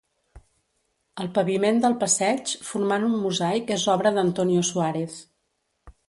El paviment del passeig, formant un mosaic és obra d'Antonio Suárez.